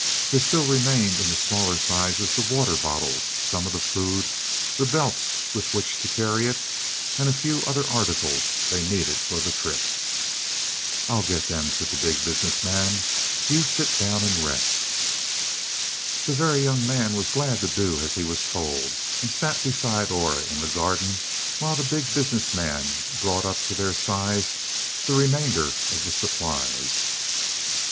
There still remained in the smaller size the water bottles, some of the food, the belts with which to carry it, and a few other articles they needed for the trip. "I'll get them," said the Big Business Man; "you sit down and rest." The Very Young Man was glad to do as he was told, and sat beside Aura in the garden, while the Big Business Man brought up to their size the remainder of the supplies.